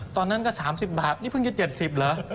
ตอนนั้นก็๓๐บาทนี่เพิ่งจะ๗๐เหรอ